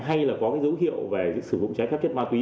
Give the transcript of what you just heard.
hay là có cái dấu hiệu về sử dụng trái phép chất ma túy